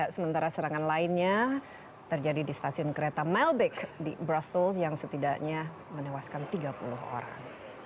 sementara serangan lainnya terjadi di stasiun kereta melback di brussel yang setidaknya menewaskan tiga puluh orang